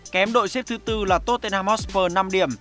kém đội xếp thứ bốn là tottenham hotspur năm điểm